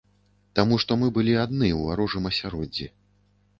Таму што мы былі адны у варожым асяроддзі.